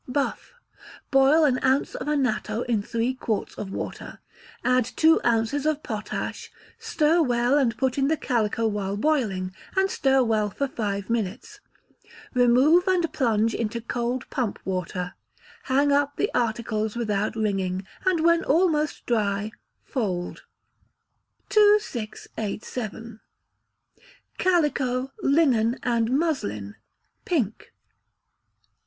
Buff. Boil an ounce of anatto in three quarts of water, add two ounces of potash, stir well, and put in the calico while boiling, and stir well for five minutes; remove and plunge into cold pump water, hang up the articles without wringing, and when almost dry, fold. 2687. Calico, Linen, and Muslin (Pink).